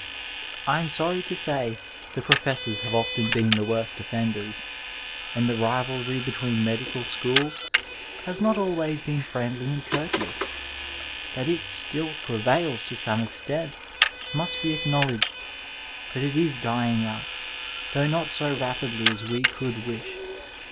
I am sorry to say the professors have often been the worst offenders, and the rivalry between medical schools has not alwajrs been friendly and courteous. That it still prevails to some extent must be acknowledged, but it is dying out, though not so rapidly as we could wish.